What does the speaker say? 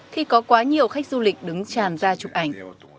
khi có quá nhiều khách du lịch đứng tràn ra chụp ảnh